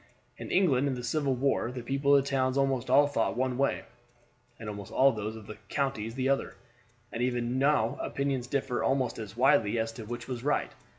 In England in the Civil War the people of the towns almost all thought one way, and almost all those of the counties the other, and even now opinions differ almost as widely as to which was right.